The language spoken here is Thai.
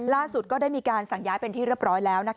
ก็ได้มีการสั่งย้ายเป็นที่เรียบร้อยแล้ว